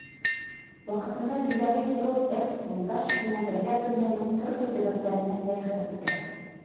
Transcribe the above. Ваҡытында билдәле хирург Эрнст Мулдашев менән бергә донъяның төрлө төбәктәренә сәйәхәт итә.